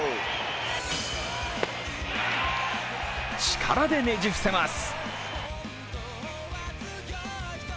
力でねじ伏せます。